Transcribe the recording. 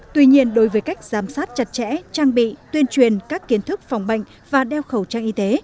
tuy nhiên đối với cách giám sát chặt chẽ trang bị tuyên truyền các kiến thức phòng bệnh và đeo khẩu trang y tế